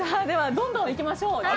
ではどんどんいきましょう。